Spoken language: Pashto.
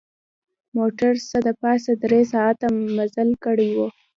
موټر څه د پاسه درې ساعته مزل کړی و.